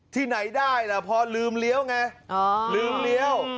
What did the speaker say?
ที่ไหนได้ล่ะพอลืมเลี้ยวไงลืมเลี้ยว